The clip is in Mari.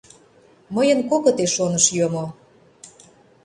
Мыйын кокыте шоныш йомо.